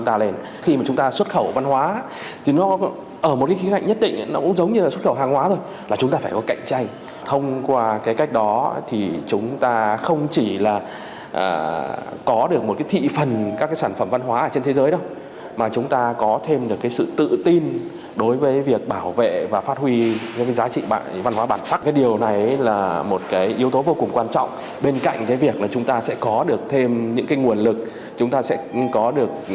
trong việc là xuất khẩu các cái sản phẩm văn hóa chúng ta chưa hoàn toàn nhận thức đúng và đầy đủ